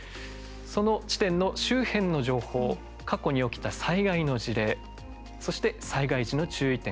その地点の周辺の情報過去に起きた災害の事例そして、災害時の注意点